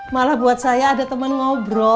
malah buat saya ada teman ngobrol